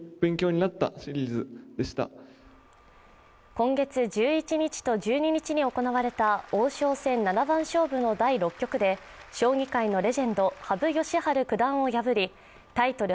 今月１１日と１２日に行われた王将戦七番勝負の第６局で将棋界のレジェンド・羽生善治九段を破りタイトル